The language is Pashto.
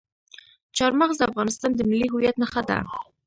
چار مغز د افغانستان د ملي هویت نښه ده.